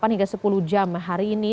delapan hingga sepuluh jam hari ini